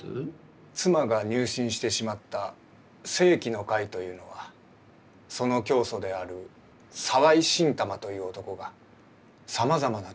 妻が入信してしまった聖気の会というのはその教祖である沢井心玉という男がさまざまな超常現象を起こすらしいのです。